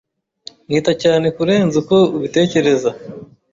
Nita cyane kurenza uko ubitekereza.